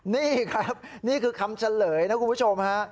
นี่ครับนี่คือคำเฉลยนะคุณผู้ชมฮะ